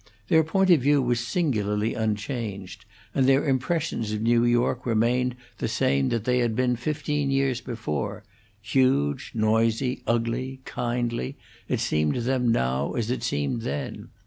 Their point of view was singularly unchanged, and their impressions of New York remained the same that they had been fifteen years before: huge, noisy, ugly, kindly, it seemed to them now as it seemed then.